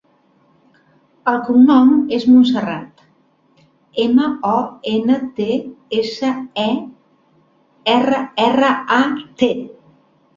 El cognom és Montserrat: ema, o, ena, te, essa, e, erra, erra, a, te.